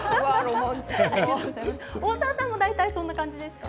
大沢さんも大体そんな感じですか？